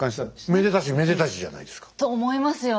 めでたしめでたしじゃないですか。と思いますよね。